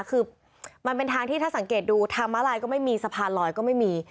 คือมันเป็นทางที่ถ้าสังเกตดูทางม้าลายก็ไม่มีสะพานลอยก็ไม่มี